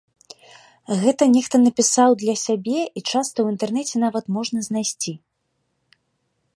Гэта нехта напісаў для сябе і часта ў інтэрнэце нават можна знайсці.